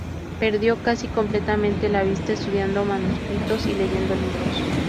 Perdió casi completamente la vista estudiando manuscritos y leyendo libros.